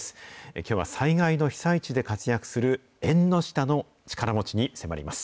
きょうは災害の被災地で活躍する、縁の下の力持ちに迫ります。